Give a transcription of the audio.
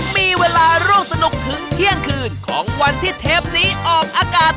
มีเวลาร่วมสนุกถึงเที่ยงคืนของวันที่เทปนี้ออกอากาศ